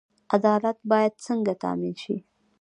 عدالت باید څنګه تامین شي؟